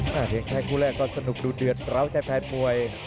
เพียงแค่คู่แรกก็สนุกดูเดือดร้าวแท้มวย